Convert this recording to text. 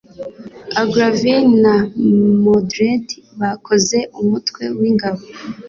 Agravain na Modred bakoze umutwe w'ingabo